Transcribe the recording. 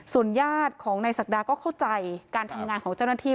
ญาติของนายศักดาก็เข้าใจการทำงานของเจ้าหน้าที่